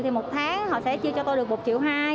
thì một tháng họ sẽ chia cho tôi được một triệu hai